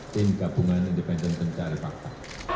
tim gabungan independen pencari fakta